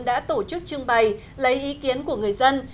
đã tổ chức trưng bày lấy ý kiến của người dân